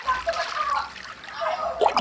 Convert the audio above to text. نړۍ د پرمختګ په حال کې ده.